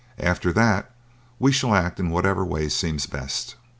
After that we shall act in whatever way seems best."